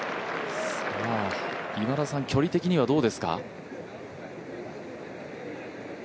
今田さん、距離的にはどうですか？